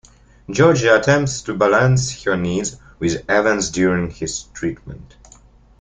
Georgie attempts to balance her needs with Evan's during his treatment.